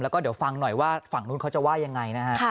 แล้วก็เดี๋ยวฟังหน่อยว่าฝั่งนู้นเขาจะว่ายังไงนะฮะ